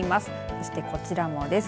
そして、こちらもです。